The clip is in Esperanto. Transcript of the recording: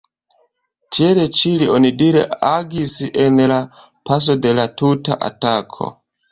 Tiel ĉi li onidire agis en la paso de la tuta atako.